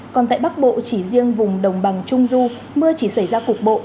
còn tại bắc bộ chỉ riêng vùng đồng bằng trung du mưa chỉ xảy ra cục bộ